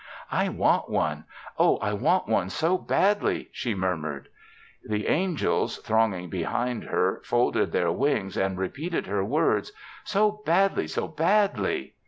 "I want one. Oh, I want one so badly," she murmured. The angels, thronging behind her, folded their wings and repeated her words, "So badly! So badly!"